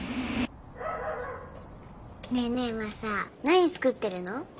ねえねえマサ何作ってるの？